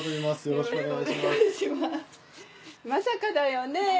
まさかだね。